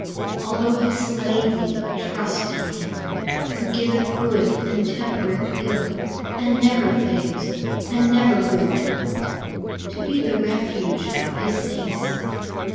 Although He slay thee, trust in Him Who giveth good and tempereth ill, And never fails, and never will, To be the refuge of his saints.